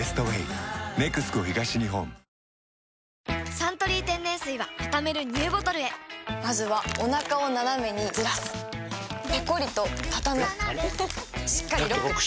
「サントリー天然水」はたためるＮＥＷボトルへまずはおなかをナナメにずらすペコリ！とたたむしっかりロック！